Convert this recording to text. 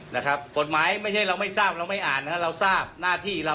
นะครับกฎหมายไม่ใช่เราไม่ทราบเราไม่อ่านนะครับเราทราบหน้าที่เรา